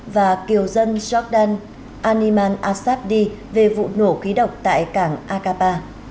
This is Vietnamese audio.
và kiều dân jordan animan asabdi về vụ nổ khí độc tại cảng aqaba